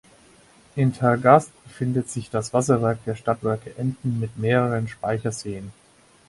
In Tergast befindet sich das Wasserwerk der Stadtwerke Emden mit mehreren Speicherseen.